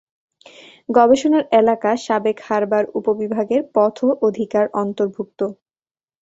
গবেষণার এলাকা সাবেক হারবার উপবিভাগের পথ অধিকার অন্তর্ভুক্ত।